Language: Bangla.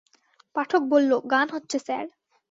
পাঠক বলল, গান হচ্ছে স্যার।